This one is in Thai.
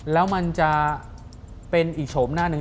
แล้วมันจะเป็นอีกโฉมหน้าหนึ่ง